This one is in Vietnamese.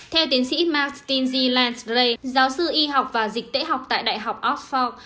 theo tiến sĩ mark stinsey lansley giáo sư y học và dịch tễ học tại đại học oxford